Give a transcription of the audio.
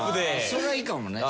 それはいいかもね。